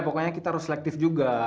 pokoknya kita harus selektif juga